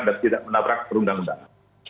dan tidak menabrak perundang undang